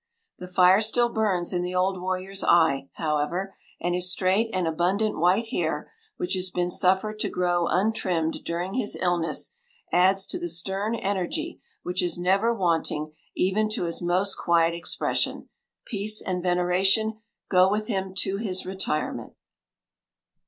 The fire still burns in the old warrior's eye, however, and his straight and abundant white hair, which has been suffered to grow untrimmed during his illness, adds to the stern energy which is never wanting even to his most quiet expression. Peace and veneration go with him to his retirement!